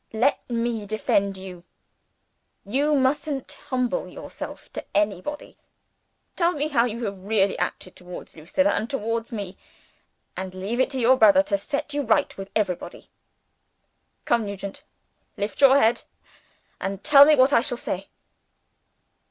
Let me defend you. You shan't humble yourself to anybody. Tell me how you have really acted towards Lucilla, and towards me and leave it to your brother to set you right with everybody. Come, Nugent! lift up your head and tell me what I shall say."